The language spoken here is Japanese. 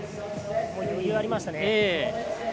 余裕ありましたね。